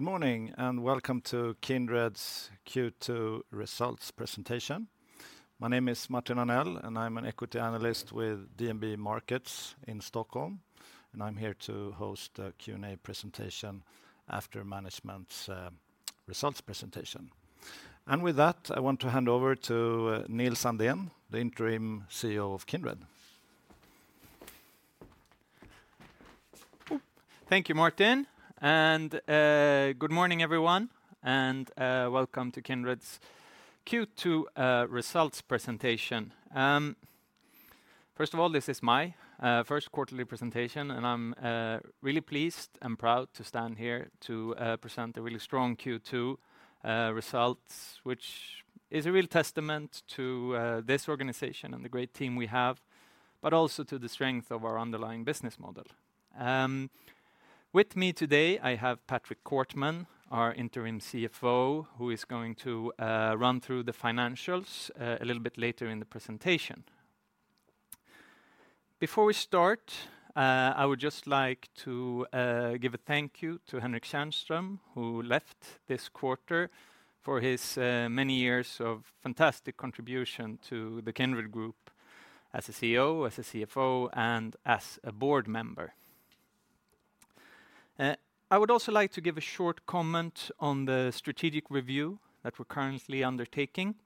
Good morning, and welcome to Kindred's Q2 results presentation. My name is Martin Arnell, and I'm an equity analyst with DNB Markets in Stockholm, and I'm here to host a Q&A presentation after management's results presentation. With that, I want to hand over to Nils Andén, the Interim CEO of Kindred. Thank you, Martin, good morning, everyone, and welcome to Kindred's Q2 results presentation. First of all, this is my first quarterly presentation, and I'm really pleased and proud to stand here to present a really strong Q2 results, which is a real testament to this organization and the great team we have, but also to the strength of our underlying business model. With me today, I have Patrick Kortman, our interim CFO, who is going to run through the financials a little bit later in the presentation. Before we start, I would just like to give a thank you to Henrik Tjärnström, who left this quarter, for his many years of fantastic contribution to the Kindred Group as a CEO, as a CFO, and as a board member. I would also like to give a short comment on the strategic review that we're currently undertaking.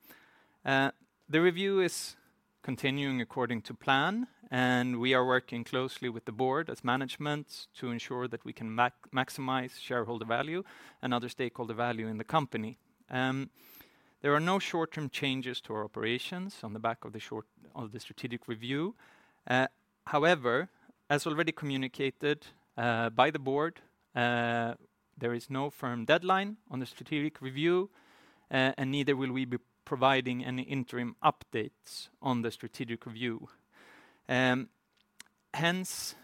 The review is continuing according to plan, and we are working closely with the board as management to ensure that we can maximize shareholder value and other stakeholder value in the company. There are no short-term changes to our operations on the back of the strategic review. However, as already communicated by the board, there is no firm deadline on the strategic review, neither will we be providing any interim updates on the strategic review. Hence,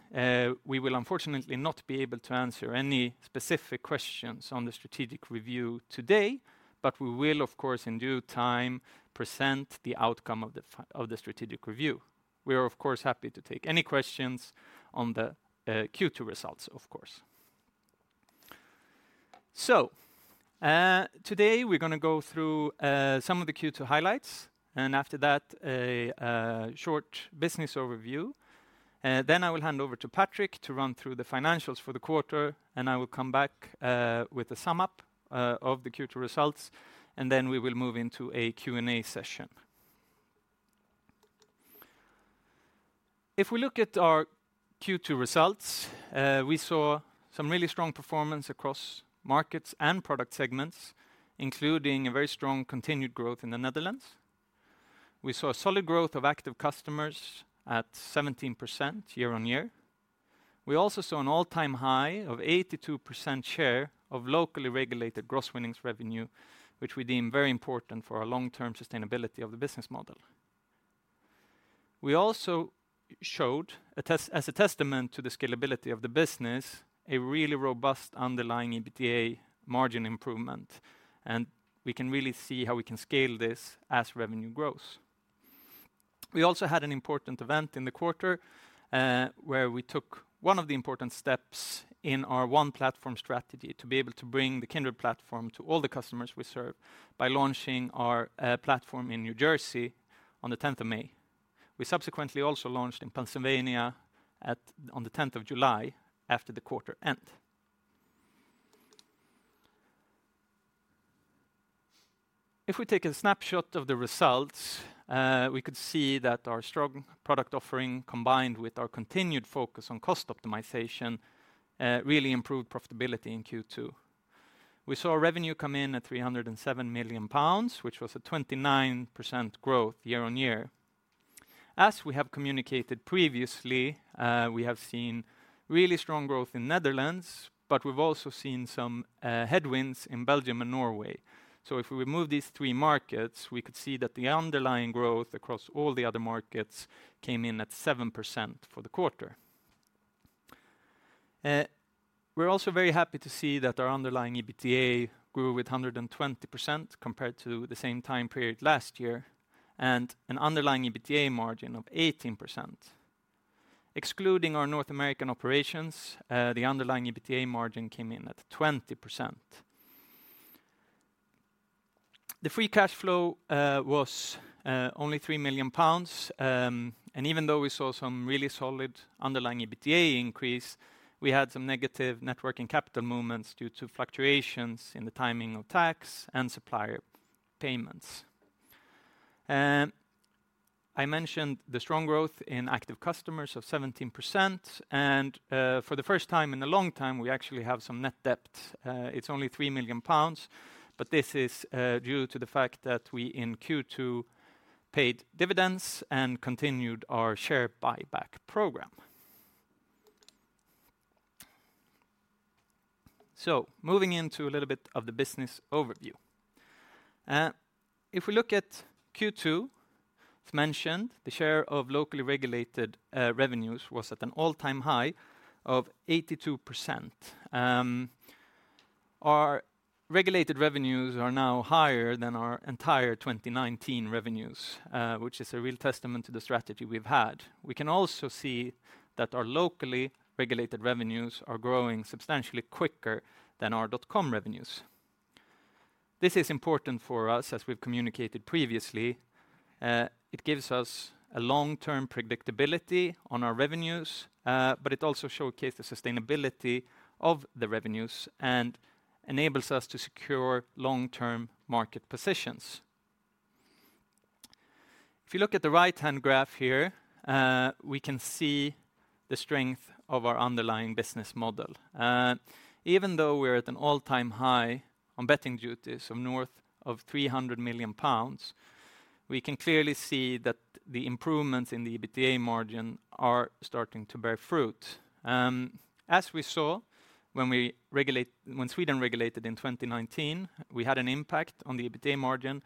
we will unfortunately not be able to answer any specific questions on the strategic review today, but we will, of course, in due time, present the outcome of the strategic review. We are, of course, happy to take any questions on the Q2 results. Today we're going to go through some of the Q2 highlights, and after that, a short business overview. Then I will hand over to Patrick to run through the financials for the quarter, and I will come back with a sum-up of the Q2 results, and then we will move into a Q&A session. If we look at our Q2 results, we saw some really strong performance across markets and product segments, including a very strong continued growth in the Netherlands. We saw a solid growth of active customers at 17% year-on-year. We also saw an all-time high of 82% share of locally regulated gross winnings revenue, which we deem very important for our long-term sustainability of the business model. We also showed as a testament to the scalability of the business, a really robust underlying EBITDA margin improvement, and we can really see how we can scale this as revenue grows. We also had an important event in the quarter, where we took one of the important steps in our One Platform strategy, to be able to bring the Kindred platform to all the customers we serve, by launching our platform in New Jersey on the tenth of May. We subsequently also launched in Pennsylvania on the tenth of July, after the quarter end. If we take a snapshot of the results, we could see that our strong product offering, combined with our continued focus on cost optimization, really improved profitability in Q2. We saw our revenue come in at 307 million pounds, which was a 29% growth year-on-year. As we have communicated previously, we have seen really strong growth in Netherlands, but we've also seen some headwinds in Belgium and Norway. If we remove these three markets, we could see that the underlying growth across all the other markets came in at 7% for the quarter. We're also very happy to see that our underlying EBITDA grew with 120% compared to the same time period last year, and an underlying EBITDA margin of 18%. Excluding our North American operations, the underlying EBITDA margin came in at 20%. The free cash flow was only 3 million pounds, and even though we saw some really solid underlying EBITDA increase, we had some negative net working capital movements due to fluctuations in the timing of tax and supplier payments. I mentioned the strong growth in active customers of 17%, and for the first time in a long time, we actually have some net debt. It's only 3 million pounds, but this is due to the fact that we, in Q2, paid dividends and continued our share buyback program. Moving into a little bit of the business overview. If we look at Q2, as mentioned, the share of locally regulated revenues was at an all-time high of 82%. Regulated revenues are now higher than our entire 2019 revenues, which is a real testament to the strategy we've had. We can also see that our locally regulated revenues are growing substantially quicker than our dotcom revenues. This is important for us, as we've communicated previously. It gives us a long-term predictability on our revenues, but it also showcases the sustainability of the revenues and enables us to secure long-term market positions. If you look at the right-hand graph here, we can see the strength of our underlying business model. Even though we're at an all-time high on betting duties of north of 300 million pounds, we can clearly see that the improvements in the EBITDA margin are starting to bear fruit. As we saw when Sweden regulated in 2019, we had an impact on the EBITDA margin,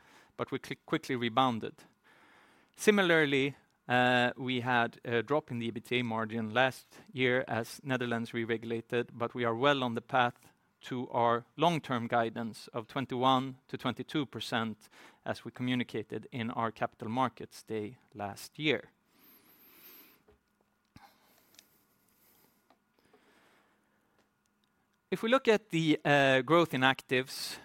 we quickly rebounded. Similarly, we had a drop in the EBITDA margin last year as Netherlands re-regulated, we are well on the path to our long-term guidance of 21%-22%, as we communicated in our capital markets day last year. If we look at the growth in actives,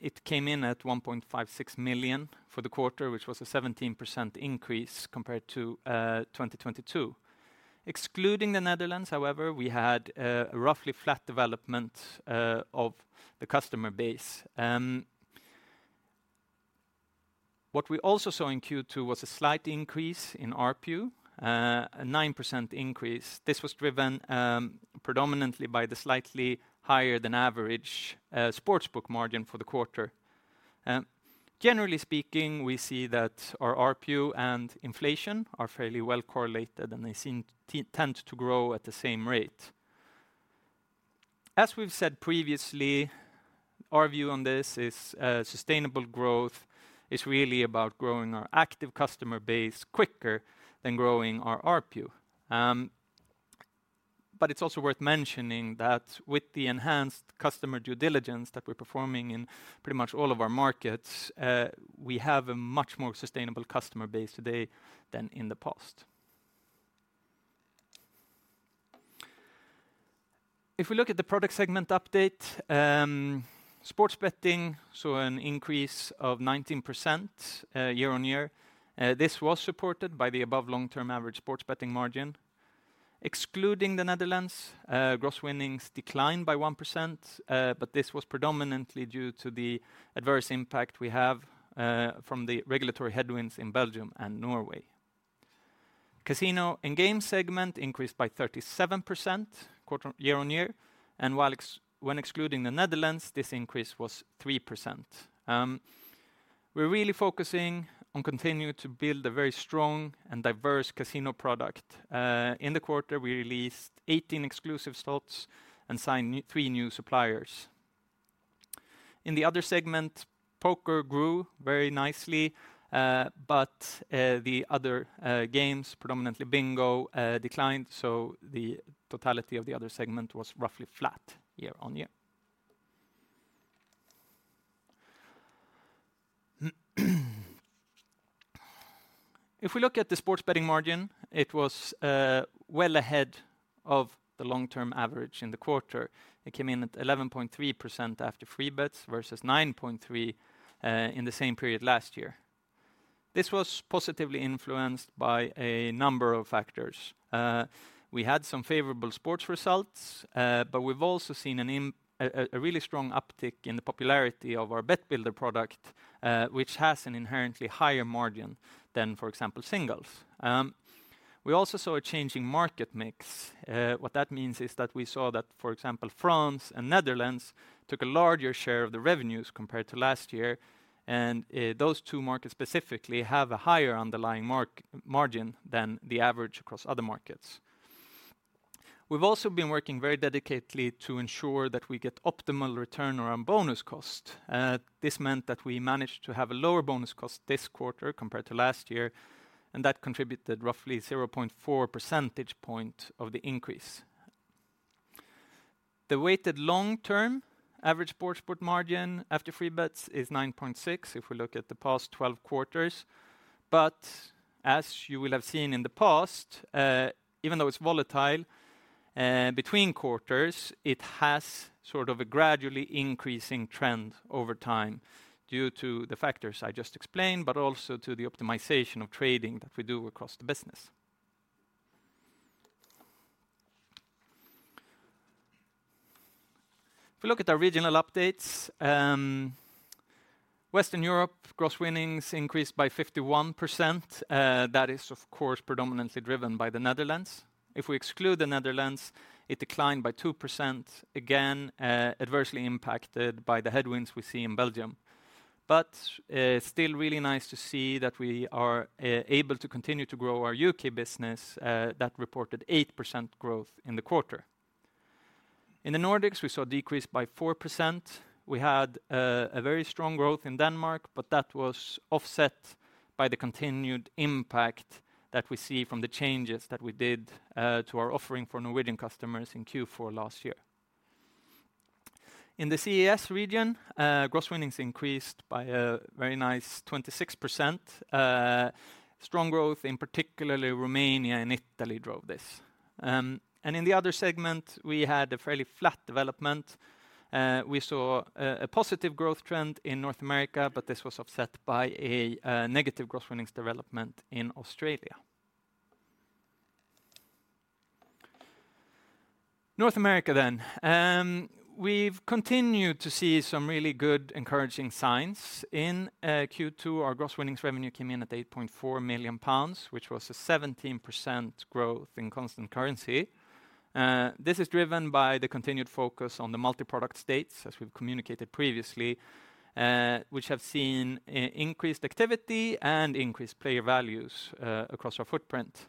it came in at 1.56 million for the quarter, which was a 17% increase compared to 2022. Excluding the Netherlands, however, we had roughly flat development of the customer base. What we also saw in Q2 was a slight increase in ARPU, a 9% increase. This was driven predominantly by the slightly higher than average sportsbook margin for the quarter. Generally speaking, we see that our ARPU and inflation are fairly well correlated, and they seem to tend to grow at the same rate. As we've said previously, our view on this is, sustainable growth is really about growing our active customer base quicker than growing our ARPU. It's also worth mentioning that with the enhanced customer due diligence that we're performing in pretty much all of our markets, we have a much more sustainable customer base today than in the past. If we look at the product segment update, sports betting, saw an increase of 19% year-on-year. This was supported by the above long-term average sports betting margin. Excluding the Netherlands, gross winnings declined by 1%, but this was predominantly due to the adverse impact we have from the regulatory headwinds in Belgium and Norway. Casino and Games segment increased by 37% year-on-year. When excluding the Netherlands, this increase was 3%. We're really focusing on continuing to build a very strong and diverse casino product. In the quarter, we released 18 exclusive slots and signed three new suppliers. In the other segment, poker grew very nicely. The other games, predominantly bingo, declined, so the totality of the other segment was roughly flat year-on-year. If we look at the sports betting margin, it was well ahead of the long-term average in the quarter. It came in at 11.3% after free bets, versus 9.3% in the same period last year. This was positively influenced by a number of factors. We had some favorable sports results, but we've also seen a really strong uptick in the popularity of our bet builder product, which has an inherently higher margin than, for example, singles. We also saw a changing market mix. What that means is that we saw that, for example, France and Netherlands took a larger share of the revenues compared to last year, and those two markets specifically have a higher underlying margin than the average across other markets. We've also been working very dedicatedly to ensure that we get optimal return on our bonus cost. This meant that we managed to have a lower bonus cost this quarter compared to last year, and that contributed roughly 0.4 percentage point of the increase. The weighted long-term average sportsbook margin after free bets is 9.6%, if we look at the past 12 quarters. As you will have seen in the past, even though it's volatile between quarters, it has sort of a gradually increasing trend over time due to the factors I just explained, but also to the optimization of trading that we do across the business. If we look at our regional updates, Western Europe, gross winnings increased by 51%. That is, of course, predominantly driven by the Netherlands. If we exclude the Netherlands, it declined by 2%, again, adversely impacted by the headwinds we see in Belgium. Still really nice to see that we are able to continue to grow our U.K. business that reported 8% growth in the quarter. In the Nordics, we saw a decrease by 4%. We had a very strong growth in Denmark, that was offset by the continued impact that we see from the changes that we did to our offering for Norwegian customers in Q4 last year. In the CEE region, Gross winnings increased by a very nice 26%. Strong growth in particularly Romania and Italy drove this. In the Other segment, we had a fairly flat development. We saw a positive growth trend in North America, but this was offset by a negative Gross winnings development in Australia. North America. We've continued to see some really good encouraging signs. In Q2, our Gross winnings revenue came in at 8.4 million pounds, which was a 17% growth in constant currency. This is driven by the continued focus on the multi-product states, as we've communicated previously, which have seen increased activity and increased player values across our footprint.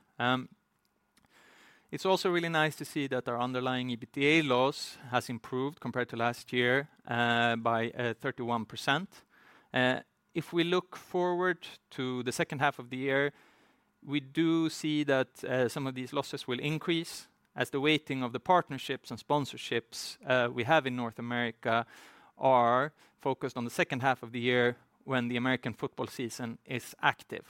It's also really nice to see that our underlying EBITDA loss has improved compared to last year by 31%. If we look forward to the second half of the year, we do see that some of these losses will increase as the weighting of the partnerships and sponsorships we have in North America are focused on the second half of the year, when the American football season is active.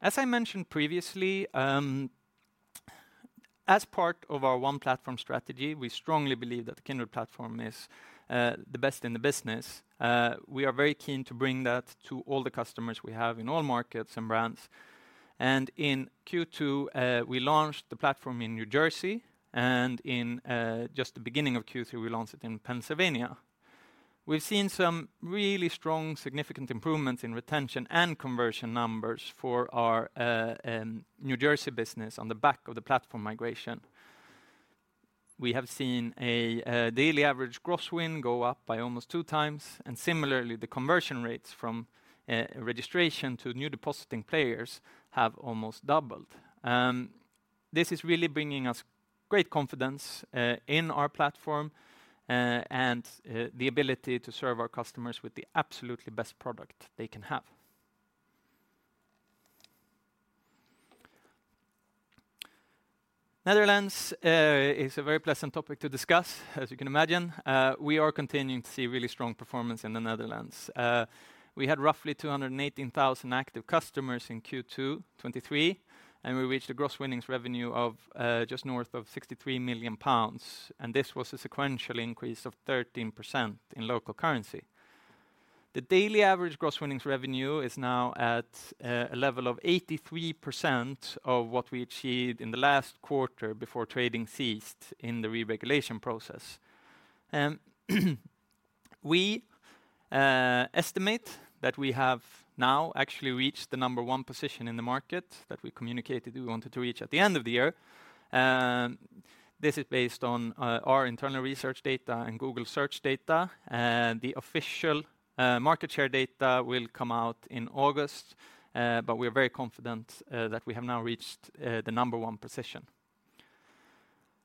As I mentioned previously, as part of our One Platform strategy, we strongly believe that the Kindred platform is the best in the business. We are very keen to bring that to all the customers we have in all markets and brands. In Q2, we launched the platform in New Jersey, and in, just the beginning of Q3, we launched it in Pennsylvania. We've seen some really strong, significant improvements in retention and conversion numbers for our New Jersey business on the back of the platform migration. We have seen a daily average Gross Win go up by almost two times, and similarly, the conversion rates from registration to new depositing players have almost doubled. This is really bringing us great confidence in our platform and the ability to serve our customers with the absolutely best product they can have. Netherlands is a very pleasant topic to discuss, as you can imagine. We are continuing to see really strong performance in the Netherlands. We had roughly 218,000 active customers in Q2 2023, and we reached a gross winnings revenue of just north of 63 million pounds, and this was a sequential increase of 13% in local currency. The daily average gross winnings revenue is now at a level of 83% of what we achieved in the last quarter before trading ceased in the re-regulation process. We estimate that we have now actually reached the number one position in the market that we communicated we wanted to reach at the end of the year. This is based on our internal research data and Google Search data, the official market share data will come out in August. We're very confident that we have now reached the number 1 position.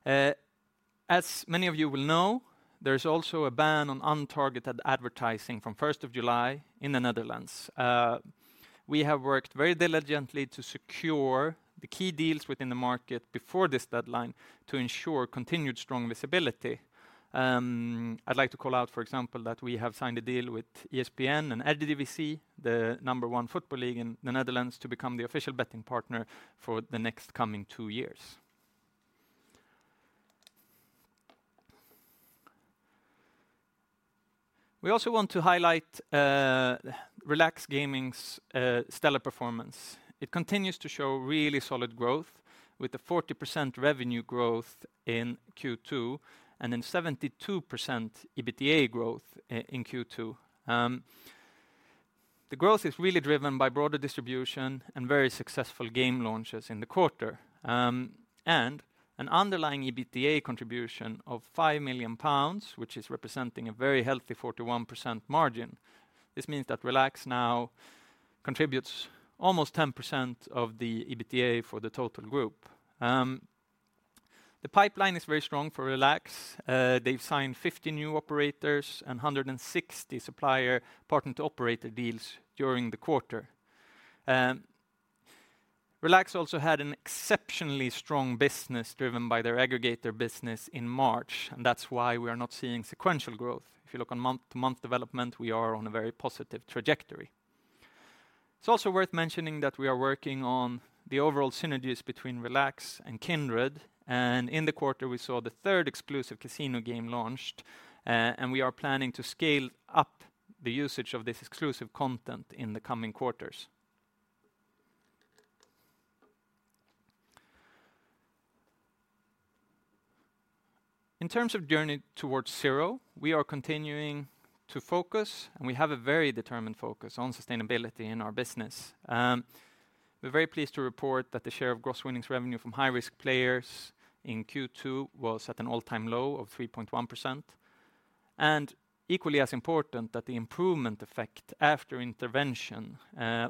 Many of you will know, there is also a ban on untargeted advertising from first of July in the Netherlands. We have worked very diligently to secure the key deals within the market before this deadline to ensure continued strong visibility. I'd like to call out, for example, that we have signed a deal with ESPN and Eredivisie, the number 1 football league in the Netherlands, to become the official betting partner for the next coming 2 years. We also want to highlight Relax Gaming's stellar performance. It continues to show really solid growth, with a 40% revenue growth in Q2 and then 72% EBITDA growth in Q2. The growth is really driven by broader distribution and very successful game launches in the quarter. An underlying EBITDA contribution of 5 million pounds, which is representing a very healthy 41% margin. This means that Relax now contributes almost 10% of the EBITDA for the total group. The pipeline is very strong for Relax. They've signed 50 new operators and 160 supplier plant to operator deals during the quarter. Relax also had an exceptionally strong business driven by their aggregator business in March, that's why we are not seeing sequential growth. If you look on month-to-month development, we are on a very positive trajectory. It's also worth mentioning that we are working on the overall synergies between Relax and Kindred, in the quarter, we saw the third exclusive casino game launched, and we are planning to scale up the usage of this exclusive content in the coming quarters. In terms of Journey towards Zero, we are continuing to focus, and we have a very determined focus on sustainability in our business. We're very pleased to report that the share of gross winnings revenue from high-risk players in Q2 was at an all-time low of 3.1%. Equally as important, that the improvement effect after intervention,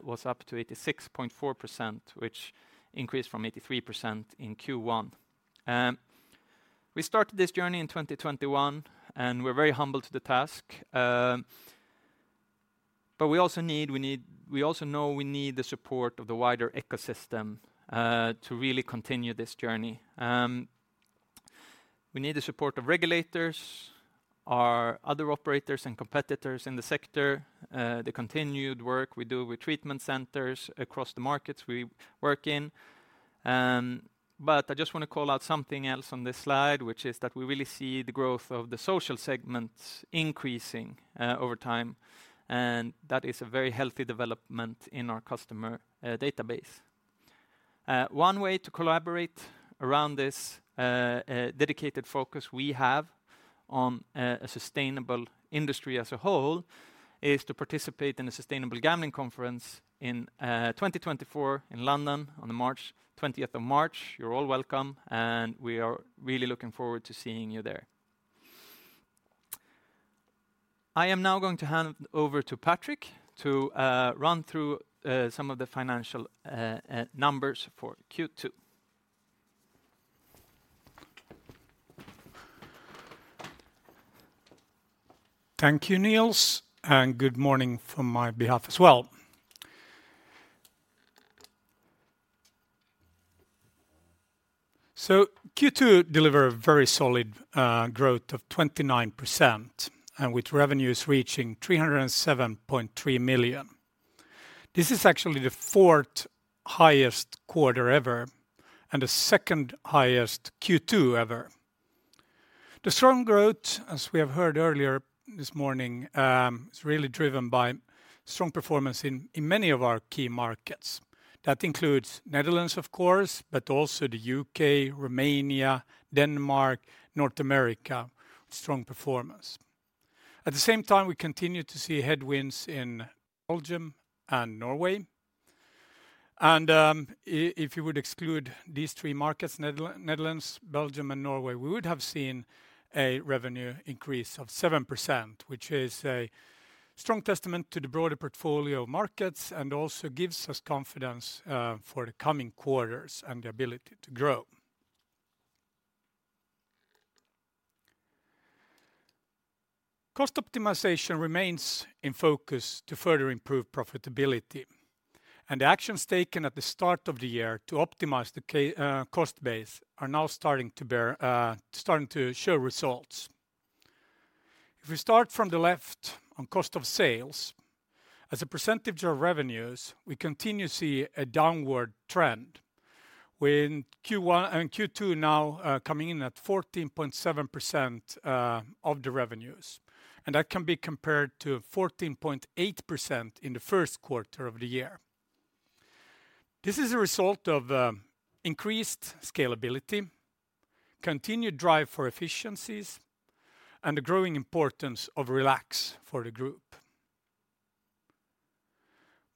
was up to 86.4%, which increased from 83% in Q1. We started this journey in 2021, and we're very humble to the task. We also know we need the support of the wider ecosystem to really continue this journey. We need the support of regulators, our other operators and competitors in the sector, the continued work we do with treatment centers across the markets we work in. I just want to call out something else on this slide, which is that we really see the growth of the social segment increasing over time, and that is a very healthy development in our customer database. One way to collaborate around this dedicated focus we have on a sustainable industry as a whole, is to participate in a sustainable gambling conference in 2024 in London on the 20th of March. You're all welcome, and we are really looking forward to seeing you there. I am now going to hand over to Patrick to run through some of the financial numbers for Q2. Thank you, Nils, good morning from my behalf as well. Q2 delivered a very solid growth of 29%, and with revenues reaching 307.3 million. This is actually the fourth highest quarter ever and the second highest Q2 ever. The strong growth, as we have heard earlier this morning, is really driven by strong performance in many of our key markets. That includes Netherlands, of course, but also the U.K., Romania, Denmark, North America. Strong performance. At the same time, we continue to see headwinds in Belgium and Norway, and if you would exclude these three markets, Netherlands, Belgium, and Norway, we would have seen a revenue increase of 7%, which is a strong testament to the broader portfolio markets, and also gives us confidence for the coming quarters and the ability to grow. Cost optimization remains in focus to further improve profitability, and the actions taken at the start of the year to optimize the cost base are now starting to bear, starting to show results. If we start from the left on cost of sales, as a percentage of revenues, we continue to see a downward trend, with Q1 and Q2 now coming in at 14.7% of the revenues, and that can be compared to 14.8% in the first quarter of the year. This is a result of increased scalability, continued drive for efficiencies, and the growing importance of Relax for the group.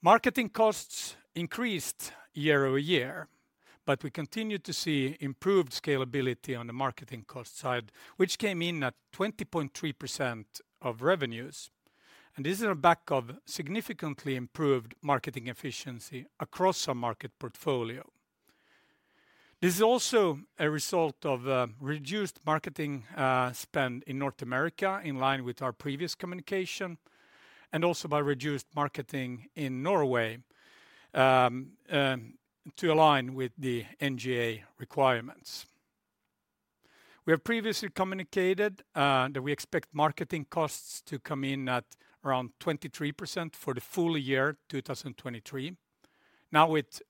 Marketing costs increased year-over-year. We continued to see improved scalability on the marketing cost side, which came in at 20.3% of revenues, and this is on back of significantly improved marketing efficiency across our market portfolio. This is also a result of reduced marketing spend in North America, in line with our previous communication, and also by reduced marketing in Norway to align with the NGA requirements. We have previously communicated that we expect marketing costs to come in at around 23% for the full year, 2023. Now, with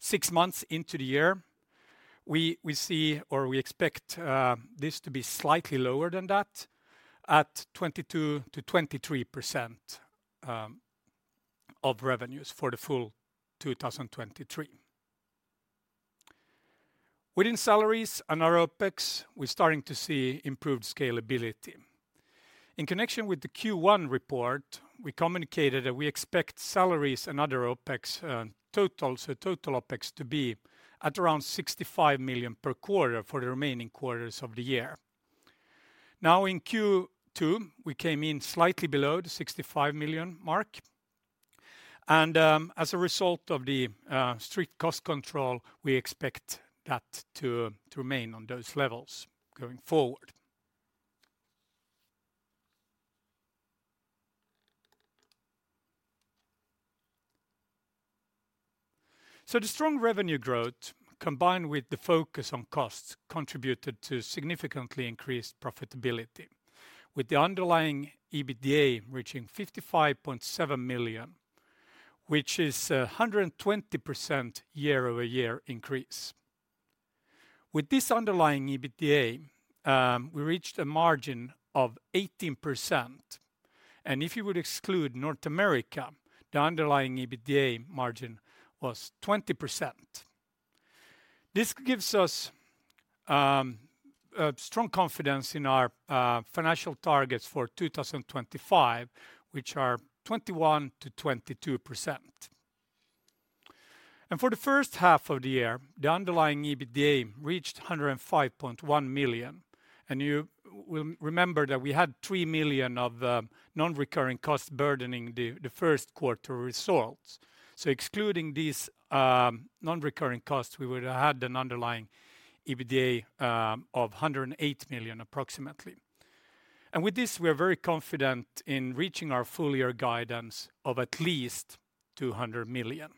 six months into the year, we see or we expect this to be slightly lower than that, at 22%-23% of revenues for the full 2023. Within salaries and our OpEx, we're starting to see improved scalability. In connection with the Q1 report, we communicated that we expect salaries and other OpEx totals, so total OpEx, to be at around 65 million per quarter for the remaining quarters of the year. In Q2, we came in slightly below the 65 million mark, and as a result of the strict cost control, we expect that to remain on those levels going forward. The strong revenue growth, combined with the focus on costs, contributed to significantly increased profitability, with the underlying EBITDA reaching 55.7 million, which is a 120% year-over-year increase. With this underlying EBITDA, we reached a margin of 18%, and if you would exclude North America, the underlying EBITDA margin was 20%. This gives us strong confidence in our financial targets for 2025, which are 21%-22%. For the first half of the year, the underlying EBITDA reached 105.1 million, and you will remember that we had 3 million of non-recurring costs burdening the first quarter results. Excluding these non-recurring costs, we would have had an underlying EBITDA of 108 million approximately. With this, we are very confident in reaching our full year guidance of at least 200 million.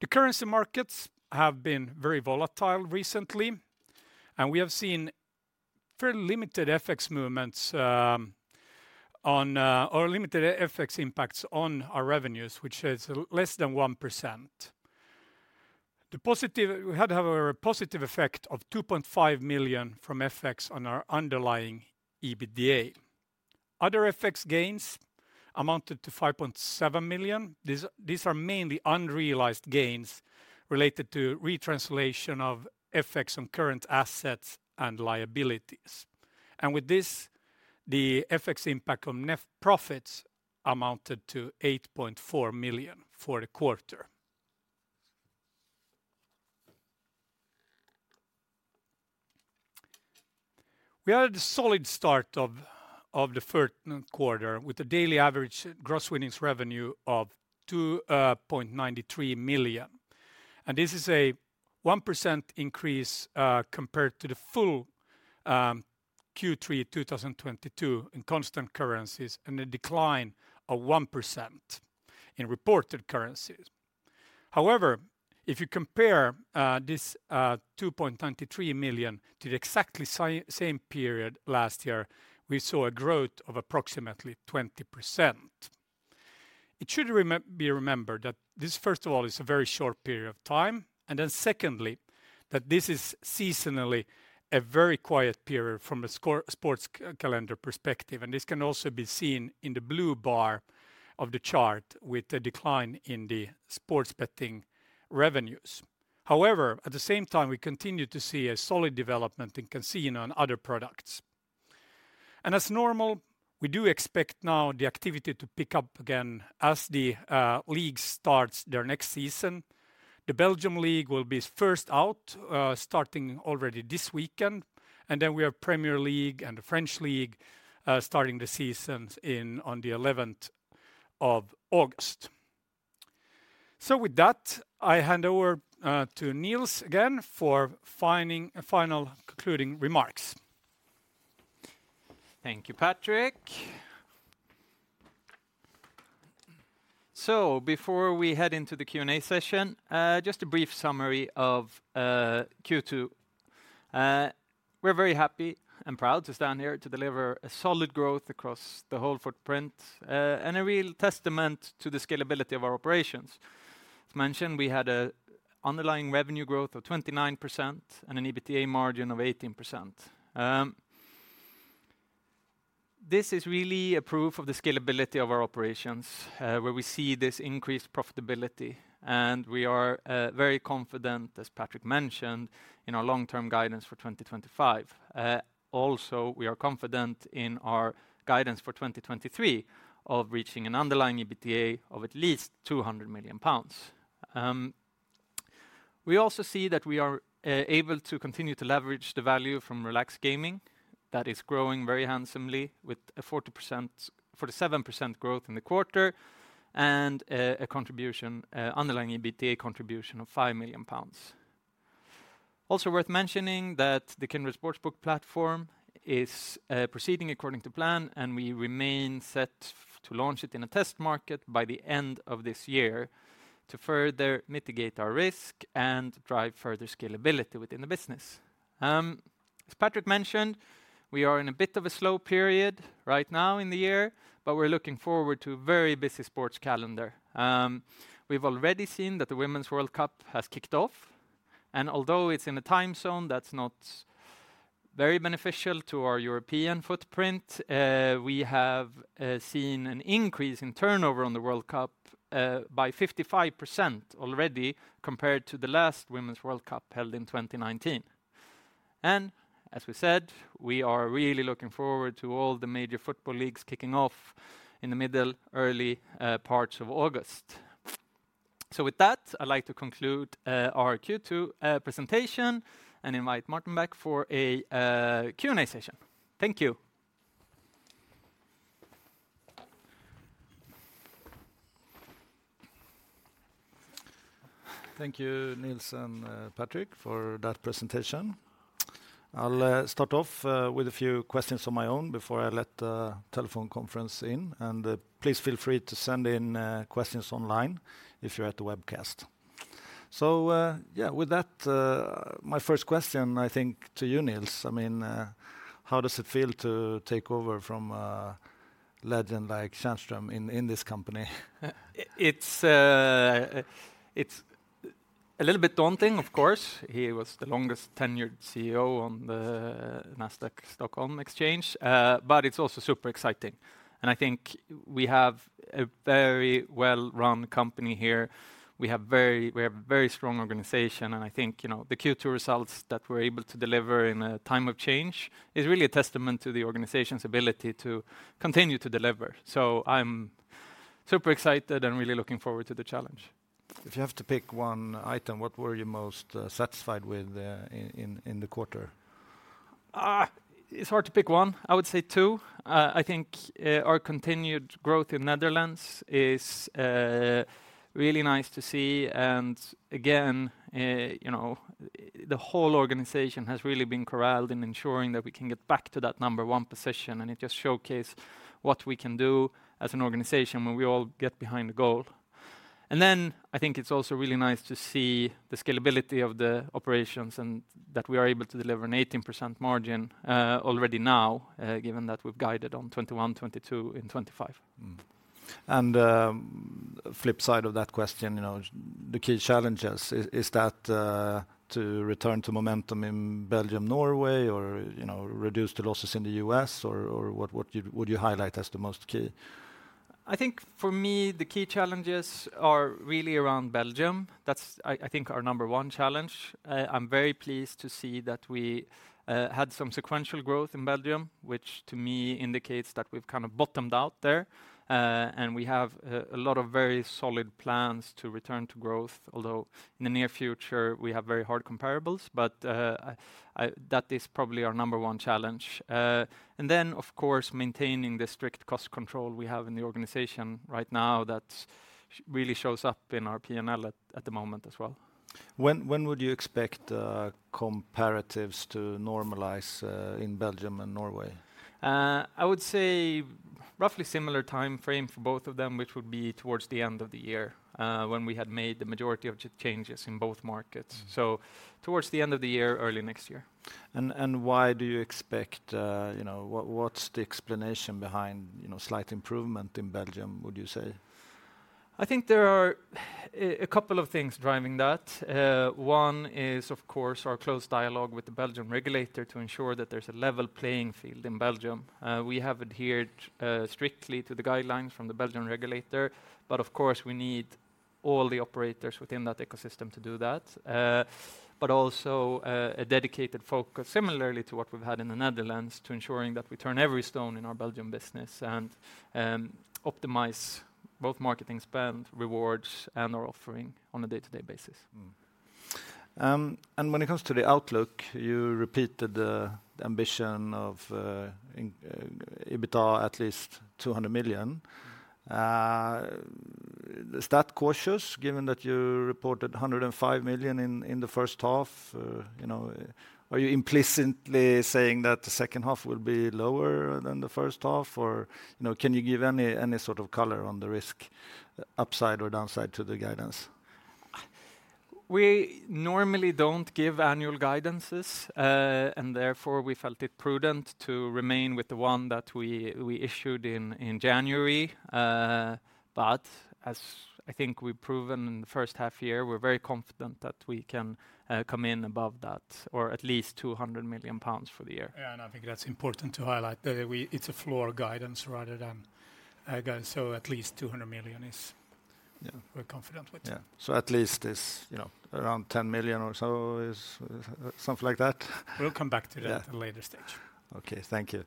The currency markets have been very volatile recently, and we have seen fairly limited FX movements or limited FX impacts on our revenues, which is less than 1%. We had a positive effect of 2.5 million from FX on our underlying EBITDA. Other FX gains amounted to 5.7 million. These are mainly unrealized gains related to retranslation of FX on current assets and liabilities. With this, the FX impact on net profits amounted to 8.4 million for the quarter. We had a solid start of the third quarter, with a daily average Gross winnings revenue of 2.93 million. This is a 1% increase compared to the full Q3 2022 in constant currencies, and a decline of 1% in reported currencies. However, if you compare this 2.93 million to the exactly same period last year, we saw a growth of approximately 20%. It should be remembered that this, first of all, is a very short period of time, then secondly, that this is seasonally a very quiet period from a sports calendar perspective, and this can also be seen in the blue bar of the chart with the decline in the sports betting revenues. However, at the same time, we continue to see a solid development in casino and other products. As normal, we do expect now the activity to pick up again as the league starts their next season. The Belgium League will be first out, starting already this weekend, and then we have Premier League and the French League, starting the seasons on the eleventh of August. With that, I hand over to Nils again for a final concluding remarks. Thank you, Patrick. Before we head into the Q&A session, just a brief summary of Q2. We're very happy and proud to stand here to deliver a solid growth across the whole footprint, and a real testament to the scalability of our operations. As mentioned, we had a underlying revenue growth of 29% and an EBITDA margin of 18%. This is really a proof of the scalability of our operations, where we see this increased profitability, and we are very confident, as Patrick mentioned, in our long-term guidance for 2025. Also, we are confident in our guidance for 2023 of reaching an underlying EBITDA of at least 200 million pounds. We also see that we are able to continue to leverage the value from Relax Gaming. That is growing very handsomely with a 47% growth in the quarter, a contribution, underlying EBITDA contribution of 5 million pounds. Also worth mentioning that the Kindred Sportsbook Platform is proceeding according to plan, we remain set to launch it in a test market by the end of this year, to further mitigate our risk and drive further scalability within the business. As Patrick mentioned, we are in a bit of a slow period right now in the year, we're looking forward to a very busy sports calendar. We've already seen that the Women's World Cup has kicked off, and although it's in a time zone that's not very beneficial to our European footprint, we have seen an increase in turnover on the World Cup by 55% already, compared to the last Women's World Cup, held in 2019. As we said, we are really looking forward to all the major football leagues kicking off in the middle, early, parts of August. With that, I'd like to conclude our Q2 presentation and invite Martin Arnell back for a Q&A session. Thank you. Thank you, Nils and Patrik, for that presentation. I'll start off with a few questions on my own before I let the telephone conference in. Please feel free to send in questions online if you're at the webcast. Yeah, with that, my first question, I think, to you, Nils, I mean, how does it feel to take over from a legend like Tjärnström in this company? It's, it's a little bit daunting, of course. He was the longest-tenured CEO on the Nasdaq Stockholm exchange, but it's also super exciting. I think we have a very well-run company here. We have a very strong organization, and I think, you know, the Q2 results that we're able to deliver in a time of change is really a testament to the organization's ability to continue to deliver. I'm super excited and really looking forward to the challenge. If you have to pick one item, what were you most satisfied with in the quarter? It's hard to pick one. I would say 2. I think our continued growth in Netherlands is really nice to see. Again, you know, the whole organization has really been corralled in ensuring that we can get back to that number 1 position, and it just showcase what we can do as an organization when we all get behind the goal. Then I think it's also really nice to see the scalability of the operations and that we are able to deliver an 18% margin already now, given that we've guided on 21%, 22% and 25%. Flip side of that question, you know, the key challenges, is that, to return to momentum in Belgium, Norway, or, you know, reduce the losses in The U.S. or what would you highlight as the most key? I think for me, the key challenges are really around Belgium. That's I think, our number one challenge. I'm very pleased to see that we had some sequential growth in Belgium, which to me indicates that we've kind of bottomed out there. We have a lot of very solid plans to return to growth. Although in the near future we have very hard comparables. That is probably our number one challenge. Then, of course, maintaining the strict cost control we have in the organization right now, that's really shows up in our P&L at the moment as well. When would you expect comparatives to normalize in Belgium and Norway? I would say roughly similar time frame for both of them, which would be towards the end of the year, when we had made the majority of changes in both markets. Towards the end of the year, early next year. Why do you expect, you know, what's the explanation behind, you know, slight improvement in Belgium, would you say? I think there are a couple of things driving that. One is, of course, our close dialogue with the Belgian regulator to ensure that there's a level playing field in Belgium. We have adhered strictly to the guidelines from the Belgian regulator, but of course, we need all the operators within that ecosystem to do that. Also, a dedicated focus, similarly to what we've had in the Netherlands, to ensuring that we turn every stone in our Belgium business and optimize both marketing spend, rewards, and our offering on a day-to-day basis. When it comes to the outlook, you repeated the ambition of in EBITDA, at least 200 million. Is that cautious, given that you reported 105 million in the first half? You know, are you implicitly saying that the second half will be lower than the first half? You know, can you give any sort of color on the risk, upside or downside to the guidance? We normally don't give annual guidance. Therefore we felt it prudent to remain with the one that we issued in January. As I think we've proven in the first half year, we're very confident that we can come in above that, or at least 200 million pounds for the year. I think that's important to highlight, that it's a floor guidance rather than a guide. At least 200 million. Yeah... we're confident with. Yeah. At least is, you know, around 10 million or so, is something like that? We'll come back to that. Yeah At a later stage. Okay, thank you.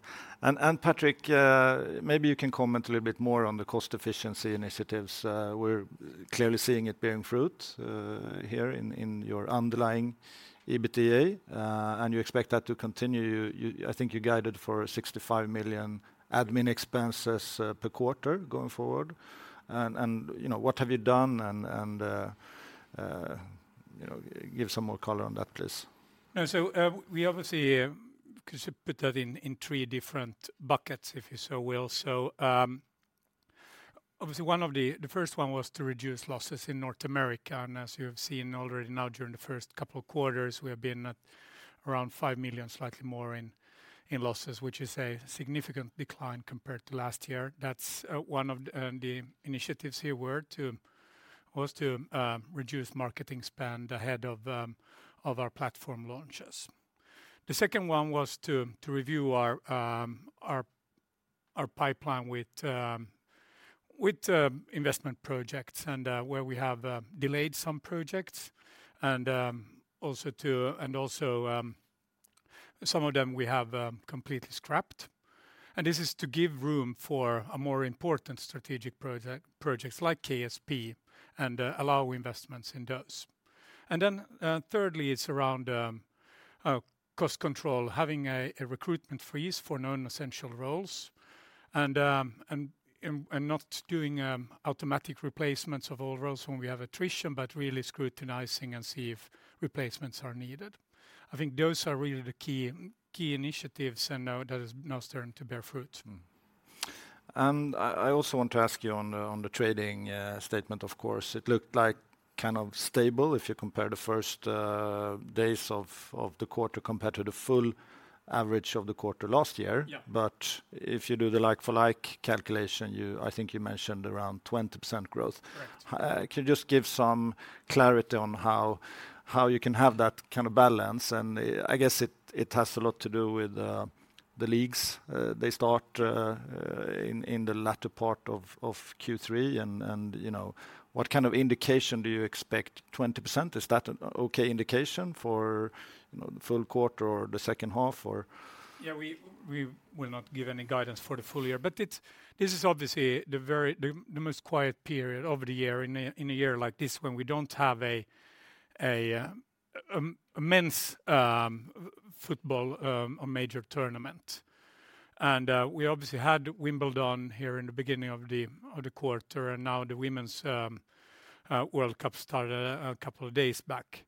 Patrik, maybe you can comment a little bit more on the cost efficiency initiatives. We're clearly seeing it bearing fruit, here in your underlying EBITDA, and you expect that to continue. I think you guided for 65 million admin expenses per quarter going forward. You know, what have you done, and, you know, give some more color on that, please? Yeah. We obviously can put that in 3 different buckets, if you so will. Obviously one of the... The first one was to reduce losses in North America, and as you have seen already now during the first couple of quarters, we have been at around $5 million, slightly more in losses, which is a significant decline compared to last year. That's one of the initiatives here was to reduce marketing spend ahead of our platform launches. The second one was to review our pipeline with investment projects and where we have delayed some projects, and also some of them we have completely scrapped. This is to give room for a more important strategic projects like KSP and allow investments in those. Thirdly, it's around cost control, having a recruitment freeze for non-essential roles and not doing automatic replacements of all roles when we have attrition, but really scrutinizing and see if replacements are needed. I think those are really the key initiatives. Now that is now starting to bear fruit. I also want to ask you on the trading statement, of course. It looked like kind of stable if you compare the first days of the quarter compared to the full average of the quarter last year. Yeah. If you do the like-for-like calculation, I think you mentioned around 20% growth. Correct. Can you just give some clarity on how you can have that kind of balance? I guess it has a lot to do with the leagues. They start in the latter part of Q3, and, you know, what kind of indication do you expect, 20%? Is that an okay indication for, you know, the full quarter or the second half, or? Yeah, we will not give any guidance for the full year. This is obviously the very, the most quiet period over the year in a year like this when we don't have a men's football or major tournament. We obviously had Wimbledon here in the beginning of the quarter, and now the Women's World Cup started a couple of days back.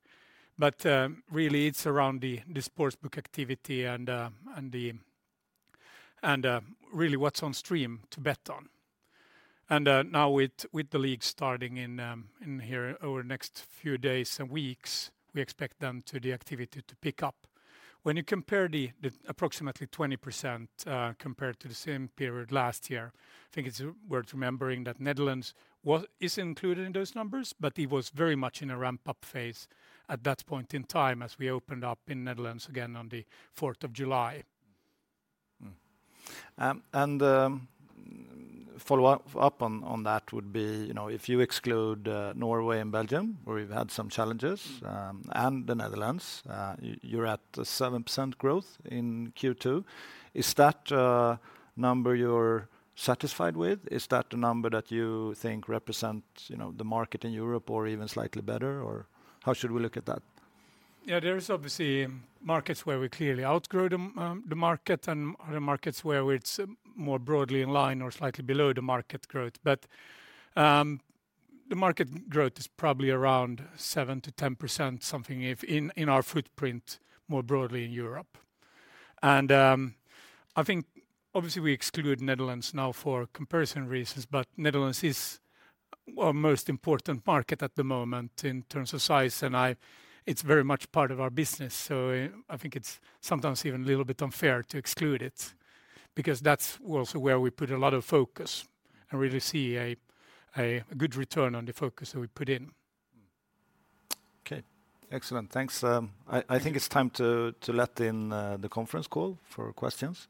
Really, it's around the sportsbook activity and, really what's on stream to bet on. Now with the league starting in here over the next few days and weeks, we expect them to the activity to pick up. When you compare the approximately 20% compared to the same period last year, I think it's worth remembering that Netherlands is included in those numbers, but it was very much in a ramp-up phase at that point in time as we opened up in Netherlands again on the 4th of July. Follow up on that would be, you know, if you exclude Norway and Belgium, where we've had some challenges, and the Netherlands, you're at a 7% growth in Q2. Is that number you're satisfied with? Is that the number that you think represents, you know, the market in Europe or even slightly better, or how should we look at that? There is obviously markets where we clearly outgrow the market and other markets where it's more broadly in line or slightly below the market growth. The market growth is probably around 7%-10%, something if in our footprint, more broadly in Europe. I think obviously we exclude Netherlands now for comparison reasons, but Netherlands is our most important market at the moment in terms of size, and it's very much part of our business, so I think it's sometimes even a little bit unfair to exclude it, because that's also where we put a lot of focus and really see a good return on the focus that we put in. Okay. Excellent. Thanks. I think it's time to let in the conference call for questions.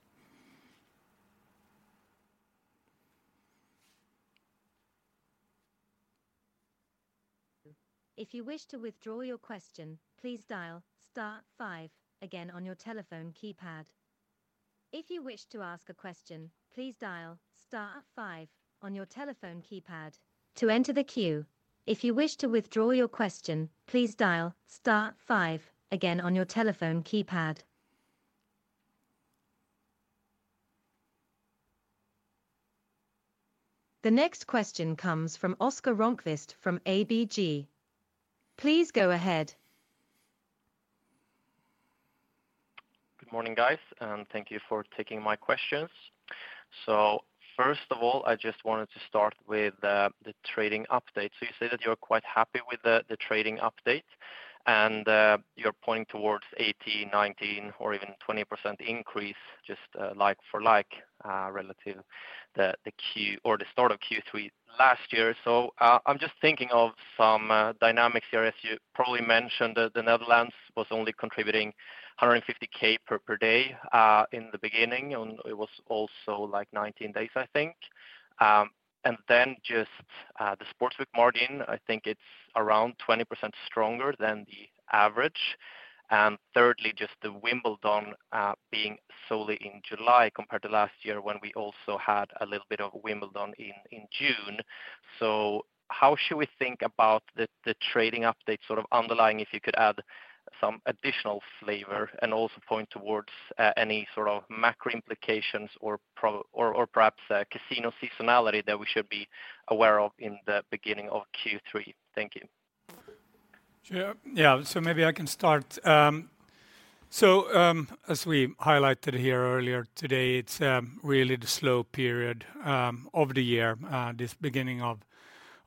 If you wish to withdraw your question, please dial star 5 again on your telephone keypad. If you wish to ask a question, please dial star 5 on your telephone keypad to enter the queue. If you wish to withdraw your question, please dial star 5 again on your telephone keypad. The next question comes from Oskar Rönnquist from ABG. Please go ahead. Good morning, guys, and thank you for taking my questions. First of all, I just wanted to start with the trading update. You say that you're quite happy with the trading update, and you're pointing towards 18%, 19%, or even 20% increase, just like for like, relative the Q or the start of Q3 last year. I'm just thinking of some dynamics here. As you probably mentioned, the Netherlands was only contributing 150K per day in the beginning, and it was also like 19 days, I think. The sportsbook margin, I think it's around 20% stronger than the average. Thirdly, just the Wimbledon being solely in July compared to last year when we also had a little bit of Wimbledon in June. How should we think about the trading update sort of underlying, if you could add some additional flavor and also point towards any sort of macro implications or perhaps casino seasonality that we should be aware of in the beginning of Q3? Thank you. Sure. Yeah. Maybe I can start. As we highlighted here earlier today, it's really the slow period of the year, this beginning of